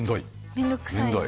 面倒くさい。